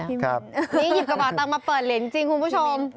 นี่หยิบกระเป๋าตังค์มาเปิดเหรียญจริงคุณผู้ชม